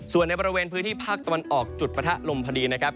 ส่วนในบริเวณพื้นที่ภาคตะวันออกจุดปะทะลมพอดีนะครับ